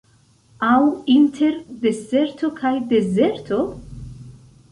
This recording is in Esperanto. Aŭ inter deserto kaj dezerto?